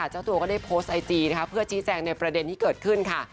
เจ้าตัวก็ได้โพสต์ไอจีนะคะเพื่อชี้แจงในประเด็นที่เกิดขึ้นค่ะ